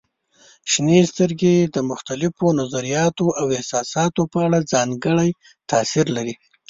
شنې سترګې د مختلفو نظریاتو او احساساتو په اړه ځانګړی تاثير لري.